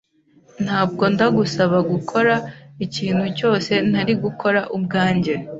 Ntabwo ndagusaba gukora ikintu cyose ntari gukora ubwanjye.